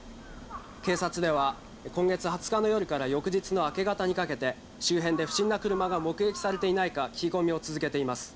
警察では今月２０日の夜から翌日の明け方にかけて周辺で不審な車が目撃されていないか聞き込みを続けています。